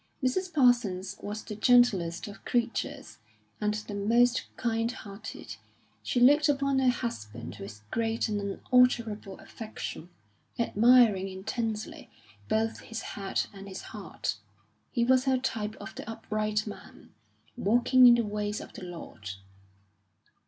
Mrs. Parsons was the gentlest of creatures, and the most kind hearted; she looked upon her husband with great and unalterable affection, admiring intensely both his head and his heart. He was her type of the upright man, walking in the ways of the Lord.